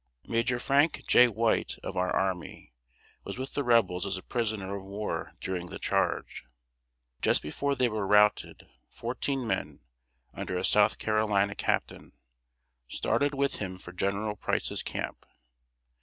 Major Frank J. White, of our army, was with the Rebels as a prisoner of war during the charge. Just before they were routed, fourteen men, under a South Carolina captain, started with him for General Price's camp.